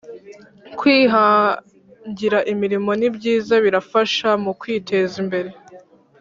kwihangira imirimo nibyiza birafasha mukwiteza imbere